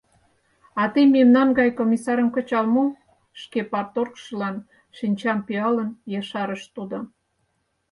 А тый мемнан гай «комиссарым» кычал му, — шке парторгшылан шинчам пӱалын, ешарыш тудо.